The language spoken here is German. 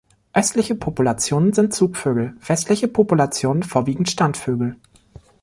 Östliche Populationen sind Zugvögel, westliche Populationen vorwiegend Standvögel.